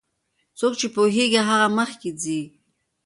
څوک چې پوهیږي هغه مخکې ځي.